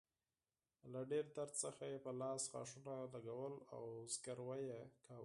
له ډیر درد څخه يې په لاس غاښونه لګول او زګیروی يې کاوه.